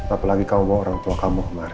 apalagi kamu bawa orang tua kamu kemari